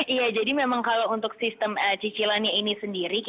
iya jadi memang kalau untuk sistem cicilannya ini sendiri